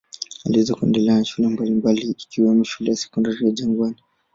Aliweza kuendelea na shule mbalimbali ikiwemo shule ya Sekondari Jangwani.